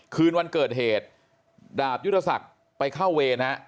คืนวันเกิดเหตุดาบยุทธศักดิ์ไปเข้าเวรฮะ